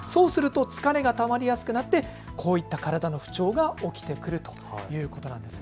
そうすると疲れがたまりやすくなってこういった体の不調が起きてくるということなんです。